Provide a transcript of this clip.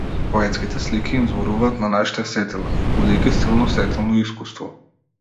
Поетските слики им зборуваат на нашите сетила, будејќи силно сетилно искуство.